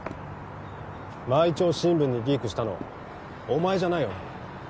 毎朝新聞にリークしたのお前じゃないよな？